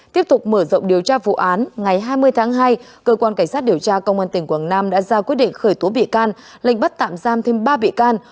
tiếp tục mở rộng điều tra vụ án ngày hai mươi tháng hai cơ quan cảnh sát điều tra công an tỉnh quảng nam đã ra quyết định khởi tố bị can lệnh bắt tạm giam thêm ba bị can